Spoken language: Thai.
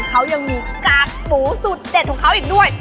เขายังมีกากหมูสูตรเด็ดของเขาอีกด้วย